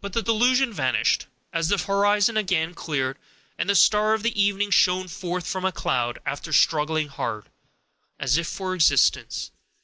But the delusion vanished, as the horizon again cleared, and the star of evening shone forth from a cloud, after struggling hard, as if for existence.